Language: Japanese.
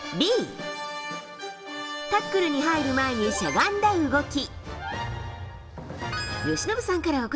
Ｂ、タックルに入る前にしゃがんだ動き。